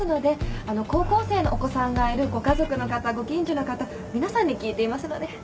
あの高校生のお子さんがいるご家族の方ご近所の方皆さんに聞いていますので。